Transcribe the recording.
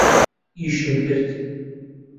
ئیشم کرد.